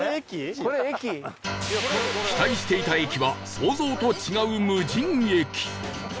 期待していた駅は想像と違う無人駅